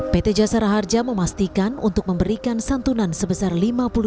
pt jasara harja memastikan untuk memberikan santunan sebesar lima puluh